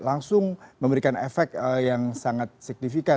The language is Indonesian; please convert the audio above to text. langsung memberikan efek yang sangat signifikan